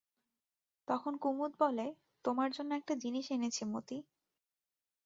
তখন কুমুদ বলে, তোমার জন্যে একটা জিনিস এনেছি মতি।